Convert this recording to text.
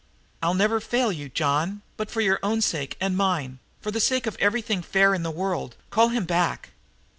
I'll never fail you, John, but for your own sake and mine, for the sake of everything fair in the world, call him back!"